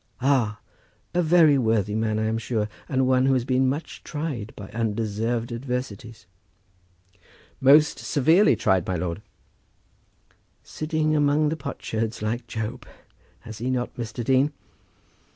Ah! A very worthy man, I am sure, and one who has been much tried by undeserved adversities." "Most severely tried, my lord." "Sitting among the potsherds, like Job; has he not, Mr. Dean?